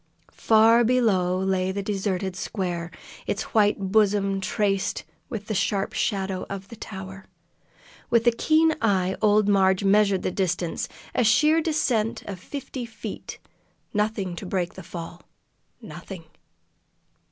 Far below lay the deserted square, its white bosom traced with the sharp shadow of the tower. With a keen eye old Marg measured the distance, a sheer descent of fifty feet. Nothing to break the fall nothing!